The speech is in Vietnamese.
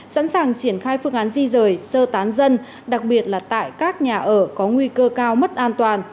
sẵn sàng triển khai phương án di rời sơ tán dân đặc biệt là tại các nhà ở có nguy cơ cao mất an toàn